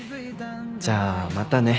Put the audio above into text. じゃあまたね。いっ